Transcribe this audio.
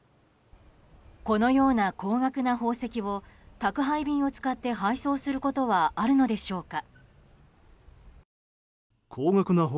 このような高額な宝石を宅配便を使って配送することはあるのでしょうか。